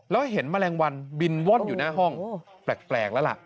แล้วเห็นแมลงวันบินว่อนอยู่หน้าห้องแปลกแล้วล่ะ